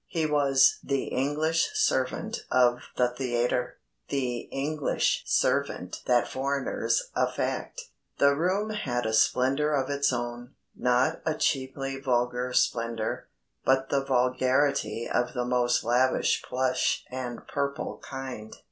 He was the English servant of the theatre the English servant that foreigners affect. The room had a splendour of its own, not a cheaply vulgar splendour, but the vulgarity of the most lavish plush and purple kind.